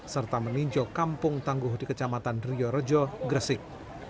serta meninjau kampung tangguh di kecamatan riorejo gresik